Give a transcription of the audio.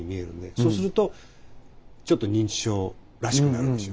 そうするとちょっと認知症らしくなるでしょ。